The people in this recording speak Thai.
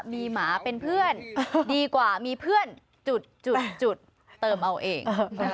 มีหมาเป็นเพื่อนดีกว่ามีเพื่อนจุดเติมเอาเอง